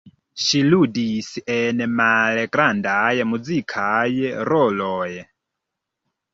Ŝi ludis en malgrandaj muzikaj roloj.